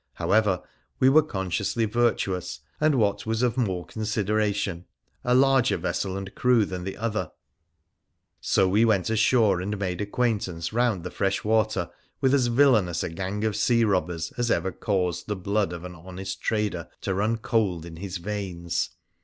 However, we were consciously virtuous, and, what was of more consideration, a larger vessel and crew than the other, so we went ashore and made acquaintance round the fresh water with as villainous a gang of sea robbers as ever caused the blood of an honest trader to run cold in his veins.